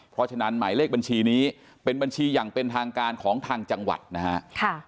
เพราะฉะนั้นหมายเลขบัญชีนี้เป็นบัญชีอย่างเป็นทางการของทางจังหวัดนะฮะ